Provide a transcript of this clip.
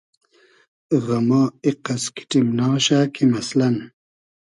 غئما ایقئس کیݖیمناشۂ کی مئسلئن